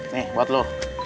nih buat lo